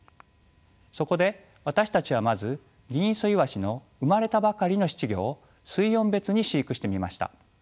そこで私たちはまずギンイソイワシの産まれたばかりの仔稚魚を水温別に飼育してみました。